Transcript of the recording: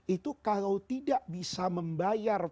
itu kalau tidak bisa membayar